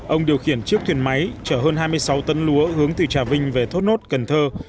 ông điều khiển chiếc thuyền máy chở hơn hai mươi sáu tấn lúa hướng từ trà vinh về thốt nốt cần thơ